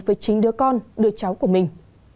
với chính đứa con đứa cháu của mình